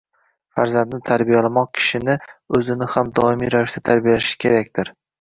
Farzandni tarbiyalamoq kishi o'zini ham doimiy ravishda tarbiyalashi demakdir.